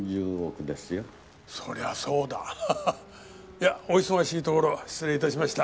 いやお忙しいところ失礼致しました。